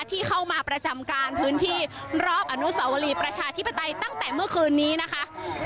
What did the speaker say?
ที่เข้ามาประจำการพื้นที่รอบอนุสาวรีประชาธิปไตยตั้งแต่เมื่อคืนนี้นะคะ